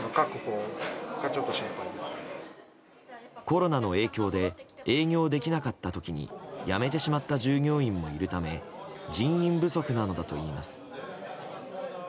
コロナの影響で営業できなかった時に辞めてしまった従業員もいるため人員不足なのだといいます。